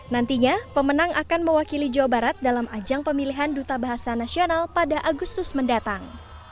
nantinya pemenang akan mewakili jawa barat dalam ajang pemilihan duta bahasa nasional pada agustus mendatang